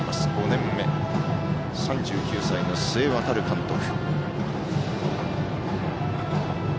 ５年目、３９歳の須江航監督。